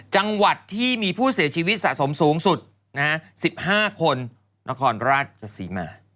จังหวัดที่มีผู้เสียชีวิตสะสมสูงสุด๑๕คนนครราชศรีมา